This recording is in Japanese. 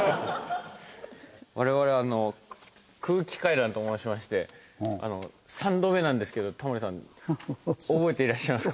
我々あの空気階段と申しまして３度目なんですけどタモリさん覚えていらっしゃいますか？